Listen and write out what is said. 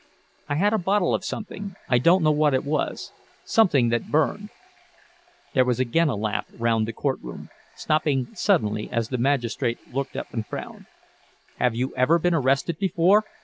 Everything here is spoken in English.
"I had a bottle of something—I don't know what it was—something that burned—" There was again a laugh round the courtroom, stopping suddenly as the magistrate looked up and frowned. "Have you ever been arrested before?"